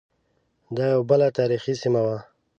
دا یوه بله تاریخی سیمه وه.